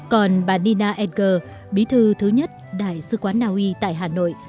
còn bà nina edgar bí thư thứ nhất đại sứ quán na uy tại hà nội